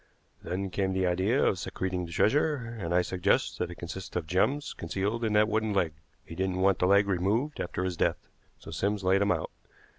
Then came the idea of secreting the treasure, and I suggest that it consists of gems concealed in that wooden leg. He didn't want the leg removed after his death, so Sims laid him out.